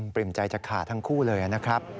ปริ่มใจจะขาดทั้งคู่เลยนะครับ